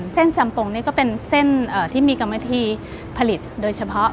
จำปงนี่ก็เป็นเส้นที่มีกรรมวิธีผลิตโดยเฉพาะ